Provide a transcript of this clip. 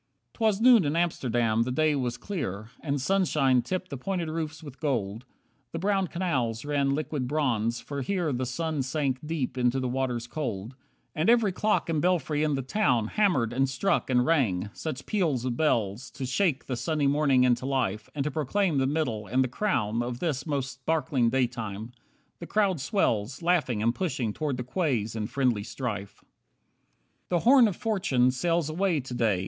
21 'Twas noon in Amsterdam, the day was clear, And sunshine tipped the pointed roofs with gold. The brown canals ran liquid bronze, for here The sun sank deep into the waters cold. And every clock and belfry in the town Hammered, and struck, and rang. Such peals of bells, To shake the sunny morning into life, And to proclaim the middle, and the crown, Of this most sparkling daytime! The crowd swells, Laughing and pushing toward the quays in friendly strife. 22 The "Horn of Fortune" sails away to day.